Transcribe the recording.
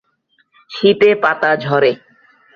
শীতে পাতা ঝরে।